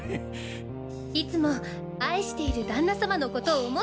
いつも愛している旦那様のことを想って作っています。